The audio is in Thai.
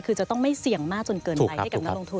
คือจะต้องไม่เสี่ยงมากจนเกินไปให้กับนักลงทุน